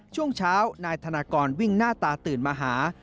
ช่วงเช้านายธนากรวิ่งหน้าตาตื่นมาหา